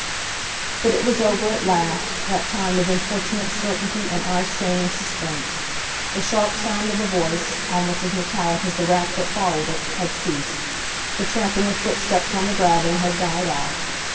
But it was over at last, that time of importunate certainty and eye straining suspense. The sharp sound of a voice, almost as metallic as the rap that followed it, had ceased; the tramping of footsteps on the gravel had died out.